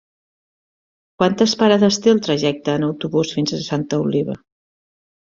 Quantes parades té el trajecte en autobús fins a Santa Oliva?